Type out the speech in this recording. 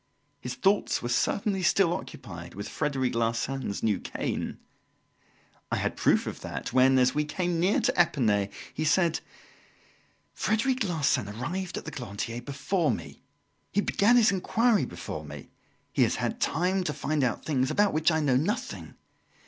His thoughts were certainly still occupied with Frederic Larsan's new cane. I had proof of that when, as we came near to Epinay, he said: "Frederic Larsan arrived at the Glandier before me; he began his inquiry before me; he has had time to find out things about which I know nothing.